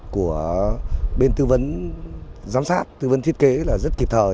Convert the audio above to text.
của bên tư vấn giám sát tư vấn thiết kế là rất kịp thời